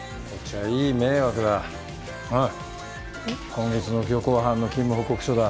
今月の強行班の勤務報告書だ。